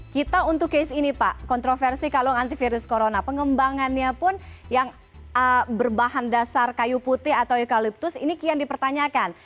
kita untuk case ini pak kontroversi kalung antivirus corona pengembangannya pun yang berbahan dasar kayu putih atau eukaliptus ini kian dipertanyakan